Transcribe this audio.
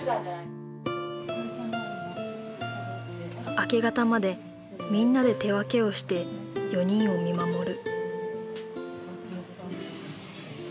明け方までみんなで手分けをして４人を見守る。